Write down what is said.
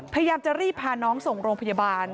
พยายามจะรีบพาน้องส่งโรงพยาบาล